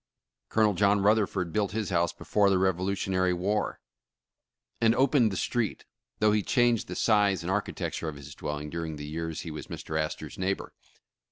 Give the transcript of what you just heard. Colonel John Rutherford built his house before the Revolutionary War, and opened the street, though he changed the size and ar chitecture of his dwelling during the yars he was Mr. Astor 's neighbor.